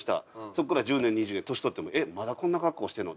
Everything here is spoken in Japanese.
そこから１０年２０年年取っても。